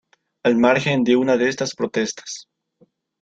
Al margen de algunas de estas protestas.